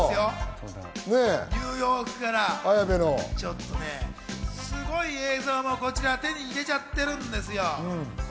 ニューヨークからすごい映像手に入れちゃってるんです。